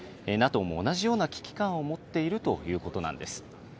ＮＡＴＯも同じような危機感を持っているということなんです。